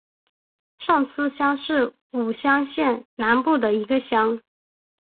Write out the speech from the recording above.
上司乡是武乡县南部的一个乡。